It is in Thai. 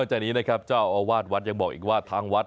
จากนี้นะครับเจ้าอาวาสวัดยังบอกอีกว่าทางวัด